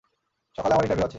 সকালে আমার ইন্টারভিউ আছে।